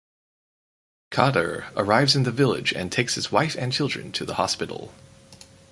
Qader arrives in the village and takes his wife and children to the hospital.